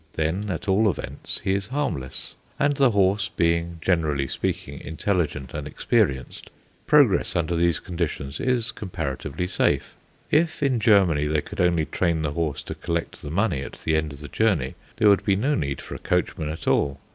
Then, at all events, he is harmless; and the horse being, generally speaking, intelligent and experienced, progress under these conditions is comparatively safe. If in Germany they could only train the horse to collect the money at the end of the journey, there would be no need for a coachman at all.